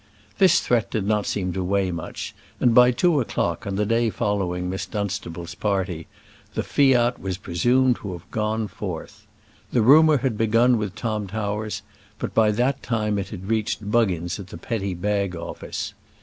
This threat did not seem to weigh much, and by two o'clock on the day following Miss Dunstable's party, the fiat was presumed to have gone forth. The rumour had begun with Tom Towers, but by that time it had reached Buggins at the Petty Bag Office.